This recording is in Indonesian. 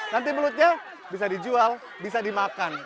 nanti mulutnya bisa dijual bisa dimakan